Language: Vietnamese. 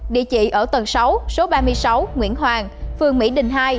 địa chỉ ở tầng sáu số ba mươi sáu nguyễn hoàng phường mỹ đình hai